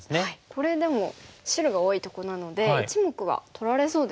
これでも白が多いとこなので１目は取られそうですよね。